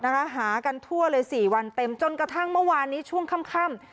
หากันทั่วเลยสี่วันเต็มจนกระทั่งเมื่อวานนี้ช่วงค่ำ